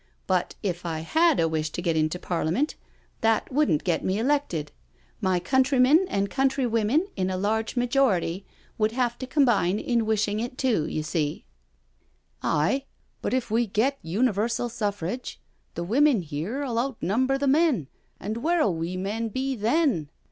But if I had a wish to get into Parliament, that wouldn't get me elected. My countrymen and countrywomen in a large majority would have to combine in wishing it too, you see." 140 NO SURRENDER "Aye, but if we get Universal Suffrage the women here'ull outnumber the men, and where'll we men be then?